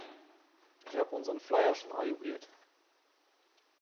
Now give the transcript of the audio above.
Ich hab unseren Flyer schon ajouriert.